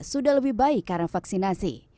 sudah lebih baik karena vaksinasi